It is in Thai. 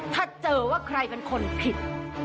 ถ้าเจอว่าใครเป็นคนผิด